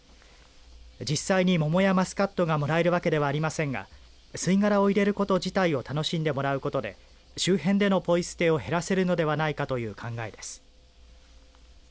実際に桃やマスカットがもらえるわけではありませんが吸い殻を入れること自体を楽しんでもらうことで周辺でのポイ捨てを減らせるのではないかという考えです。